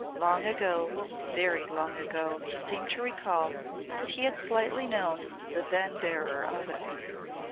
Long ago very long ago, he seemed to recall that he had slightly known the then bearer of it.